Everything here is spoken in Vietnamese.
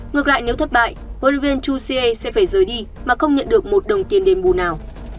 ngược lại nếu thất bại huấn luyện viên chusea sẽ phải rời đi mà không nhận được một đồng tiền đền bù nào